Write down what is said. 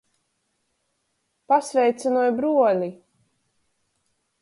Pasveicynoj bruoli!